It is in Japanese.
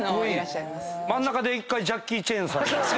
真ん中で１回ジャッキー・チェンさんに。